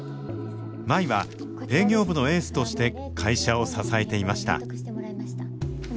舞は営業部のエースとして会社を支えていました。